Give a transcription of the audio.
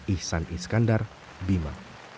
ihsan iskandar bima